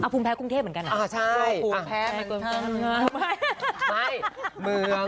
อ่าภูมิแพ้กรุงเทพเหมือนกันเหรออ่าใช่ภูมิแพ้เหมือนกัน